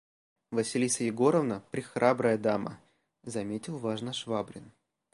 – Василиса Егоровна прехрабрая дама, – заметил важно Швабрин.